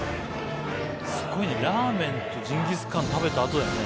すごいねラーメンとジンギスカン食べた後だよね？